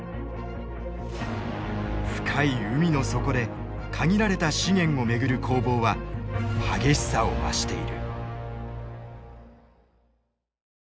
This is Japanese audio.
深い海の底で限られた資源をめぐる攻防は激しさを増している。